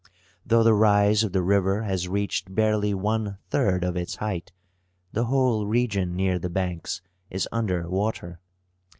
Though the rise of the river has reached barely one third of its height, the whole region near the banks is under water.